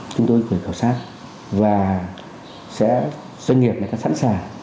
chúng tôi phải khảo sát và doanh nghiệp này sẽ sẵn sàng